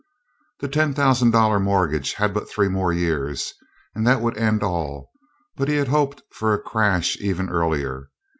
The ten thousand dollar mortgage had but three more years, and that would end all; but he had hoped for a crash even earlier.